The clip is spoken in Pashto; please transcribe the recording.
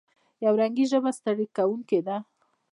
یو رنګي ژبه ستړې کوونکې ده.